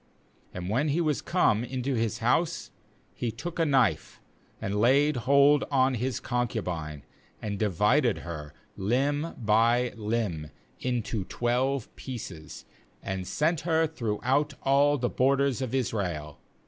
29And when he was come into his house, he took a knife, and laid hold on his concubine, and divided her, limb by limb, into twelve pieces, and sent her throughout all the borders of Israel.